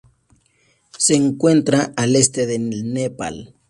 Se encuentra al este del Nepal.